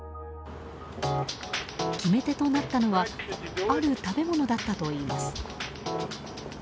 決め手となったのはある食べ物だったといいます。